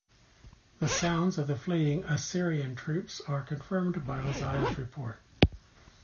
The sounds of the fleeing Assyrian troops are confirmed by Ozias' report.